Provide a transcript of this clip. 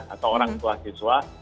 atau orang tua siswa